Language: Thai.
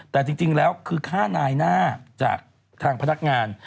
แต่จริงแล้วคือฆ่านายหน้าจากทางพนักงาน